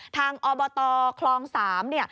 ทางอบตคลอง๓เนี่ย